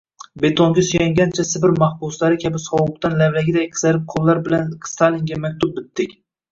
Betonga suyangancha, sibir mahbuslari kabi sovuqdan lavlagiday qizargan qo’llar bilan Stalinga maktub bitdik.